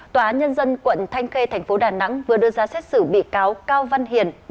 tòa án nhân dân quận thanh kê tp đà nẵng vừa đưa ra xét xử bị cáo cao văn hiền